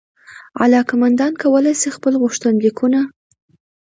علاقمندان کولای سي خپل غوښتنلیکونه